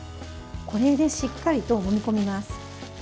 これでしっかりともみこみます。